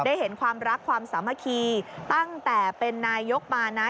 เห็นความรักความสามัคคีตั้งแต่เป็นนายกมานะ